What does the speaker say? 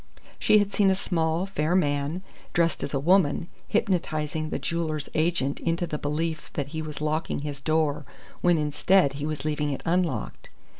She had seen a small, fair man, dressed as a woman, hypnotizing the jewellers' agent into the belief that he was locking his door when instead he was leaving it unlocked.